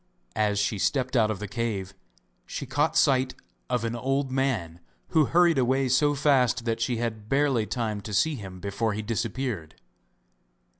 As she stepped out of the cave she caught sight of an old man, who hurried away so fast that she had barely time to see him before he disappeared.